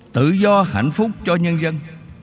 tự do hạnh phúc cho nhân dân